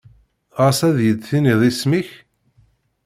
Ɣas ad yi-d-tiniḍ isem-ik?